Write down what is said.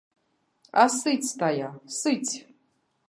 А сыць тая, сыць!